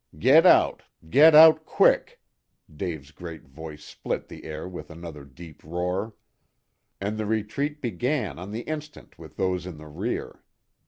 "Get out! Get out quick!" Dave's great voice split the air with another deep roar. And the retreat began on the instant with those in the rear.